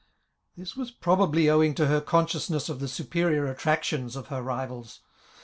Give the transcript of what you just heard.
This was probably owing to her consciousness of the superior attractions of her TiYa]fi.